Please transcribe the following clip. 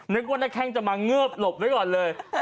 นึกว่านักแข้งจะมาเงิบหลบไว้ก่อนเลย